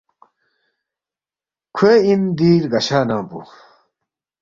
کھوے اِن دی رگشہ ننگ پو